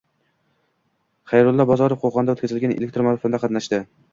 Xayrullo Bozorov Qo‘qonda o‘tkazilgan ekomarafonda qatnashdi